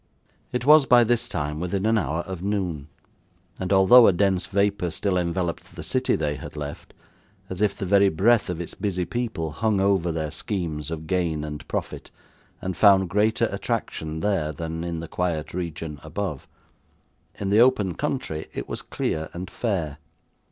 It was, by this time, within an hour of noon, and although a dense vapour still enveloped the city they had left, as if the very breath of its busy people hung over their schemes of gain and profit, and found greater attraction there than in the quiet region above, in the open country it was clear and fair.